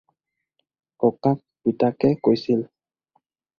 ককাক পিতাকে কৈছিল।